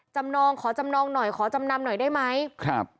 จำนองขอจำนองหน่อยขอจำนำหน่อยได้ไหมครับ